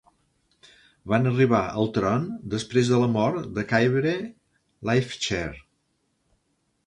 Van arribar al tron després de la mort de Cairbre Lifechair.